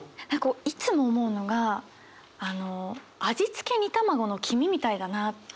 いつも思うのが味付け煮卵の黄身みたいだなって。